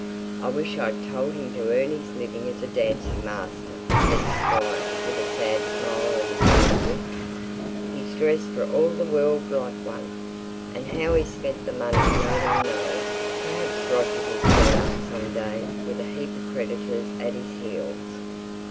I wish I'd told him to earn his living as a dancing master," said the squire, with a sad smile at his own wit. "He's dressed for all the world like one. And how he's spent the money no one knows! Perhaps Roger will turn up some day with a heap of creditors at his heels.